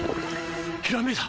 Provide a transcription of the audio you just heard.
ひらめいた！